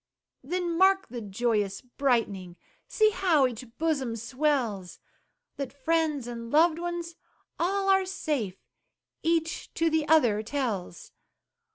Then mark the joyous brightening; See how each bosom swells; That friends and loved ones all are safe, Each to the other tells.